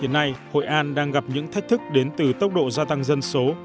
hiện nay hội an đang gặp những thách thức đến từ tốc độ gia tăng dân số